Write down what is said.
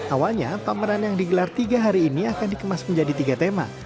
awalnya pameran yang digelar tiga hari ini akan dikembangkan